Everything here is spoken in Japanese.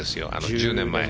１０年前。